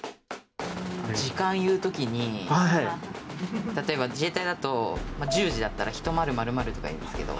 時間言うときに、例えば自衛隊だと、１０時だったら、ヒトマルマルマルとか言うんですけど。